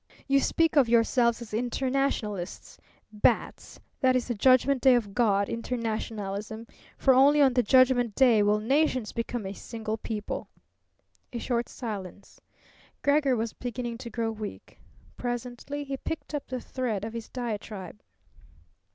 You speak of yourselves as internationalists. Bats, that is the judgment day of God internationalism! For only on the judgment day will nations become a single people." A short silence. Gregor was beginning to grow weak. Presently he picked up the thread of his diatribe.